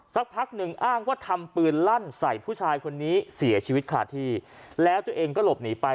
สักพักหนึ่งอ้างว่าทำปืนลั่นใส่ผู้ชายคนนี้เสียชีวิตขาดที่แล้วตัวเองก็หลบหนีไป